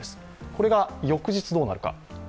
これが翌日、どうなるか。